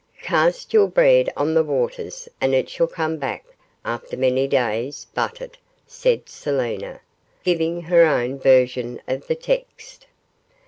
'Cast your bread on the waters and it shall come back after many days buttered,' said Selina, giving her own version of the text.